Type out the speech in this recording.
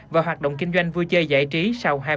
và hoạt động kinh doanh vui chơi giải trí sau hai mươi bốn h